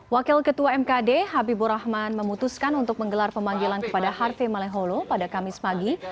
wakil ketua mkd habibur rahman memutuskan untuk menggelar pemanggilan kepada harvey maleholo pada kamis pagi